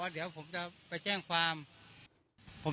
เดี๋ยวผมจะไปแจ้งความ